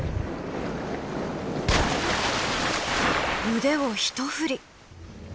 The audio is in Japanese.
腕を一振り。